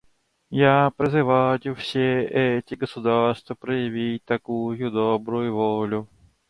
Я призываю все эти государства проявить такую добрую волю.